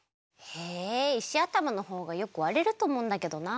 え石あたまのほうがよくわれるとおもうんだけどな。